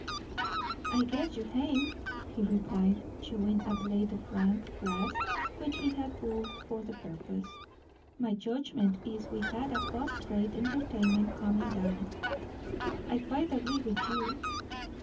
"I guess you hain't," he replied, chewing a blade of rank grass which he had pulled for the purpose. "My judgment is we had a fust rate entertainment, comin' down." "I quite agree with you."